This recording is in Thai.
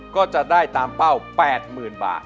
ก็จะได้ตามเป้า๘๐๐๐บาท